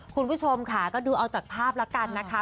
คุณผู้ชมค่ะก็ดูเอาจากภาพแล้วกันนะคะ